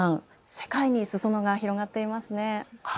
世界に裾野が広がっていますねえ。